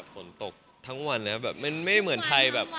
ฝนตกทั้งวันมันไม่เหมือนไทย